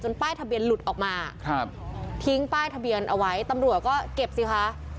ป้ายทะเบียนหลุดออกมาครับทิ้งป้ายทะเบียนเอาไว้ตำรวจก็เก็บสิคะ